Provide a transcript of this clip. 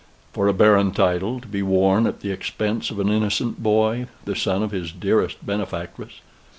for a barren title, to be worn at the expense of an innocent boy, the son of his dearest benefactress.